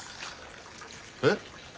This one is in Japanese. えっ？